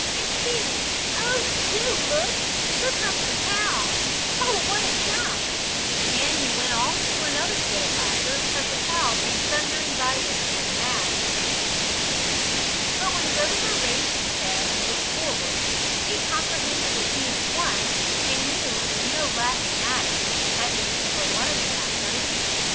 And see oh, do look. Here comes the cow! Oh, what a jump!" And he went off into another fit of laughter as the cow came thundering by them in her mad career. But when Rover raised his head and looked forward, he comprehended the scene at once, and knew that it was no laughing matter, at least for one of the actors.